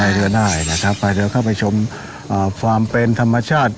ภายเรือได้นะครับภายเรือก็ไปชมฟาร์มเป็นธรรมชาติ